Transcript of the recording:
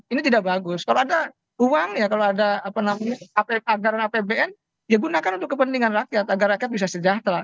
ini tidak bagus kalau ada uang ya kalau ada anggaran apbn ya gunakan untuk kepentingan rakyat agar rakyat bisa sejahtera